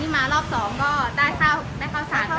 เมื่อเช้าล่ะ